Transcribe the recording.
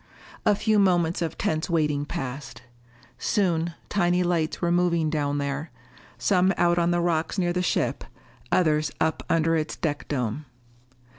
A few moments of tense waiting passed. Soon tiny lights were moving down there, some out on the rocks near the ship, others up under its deck dome.